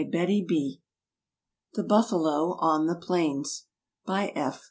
AMERICA The Buffalo on the Plains By F.